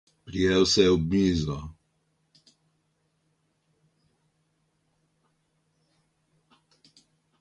Prijel se je ob mizo.